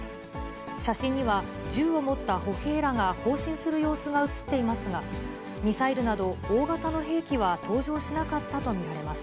写真には、銃を持った歩兵らが行進する様子が写っていますが、ミサイルなど大型の兵器は登場しなかったと見られます。